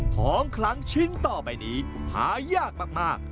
ของคลังชิ้นต่อไปนี้หายากมาก